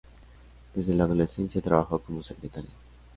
Desde la adolescencia trabajó como secretaria.